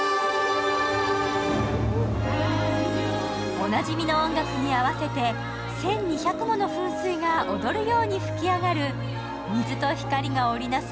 おなじみの音楽に合わせて１２００もの噴水が踊るように噴き上がる水と光が織りなす